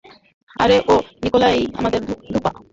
আরে ও নিকোলাই, আমাদের ধোপা।